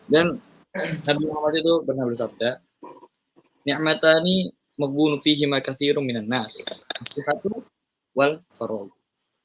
dan nabi muhammad itu pernah bersabda